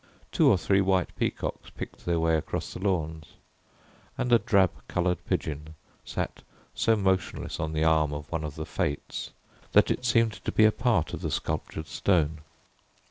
Two or three white peacocks picked their way across the lawns, and a drab coloured pigeon sat so motionless on the arm of one of the "Fates," that it seemed to be a part of the sculptured stone.